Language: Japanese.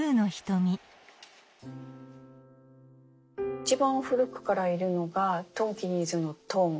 一番古くからいるのがトンキニーズのトン。